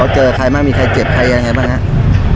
เจอใครบ้างมีใครเจ็บใครอะอะไรแบบงั้น